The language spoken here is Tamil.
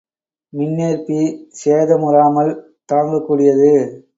மின்னேற்பி சேதமுறாமல் தாங்கக் கூடியது.